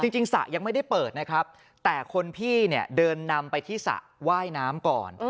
สระยังไม่ได้เปิดนะครับแต่คนพี่เนี่ยเดินนำไปที่สระว่ายน้ำก่อน